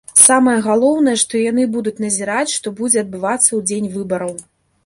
Самае галоўнае, што яны будуць назіраць, што будзе адбывацца ў дзень выбараў.